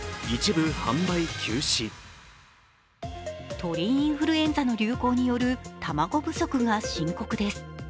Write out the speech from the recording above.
鳥インフルエンザの流行による卵不足が深刻です。